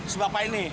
sebab apa ini